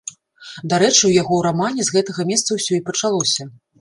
Дарэчы, у яго рамане з гэтага месца ўсё і пачалося.